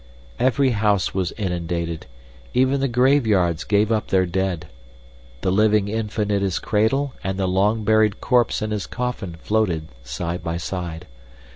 Every house was inundated; even the graveyards gave up their dead. The living infant in his cradle and the long buried corpse in his coffin floated side by side.